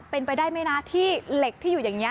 เป็นไปได้ไหมนะที่เหล็กที่อยู่อย่างนี้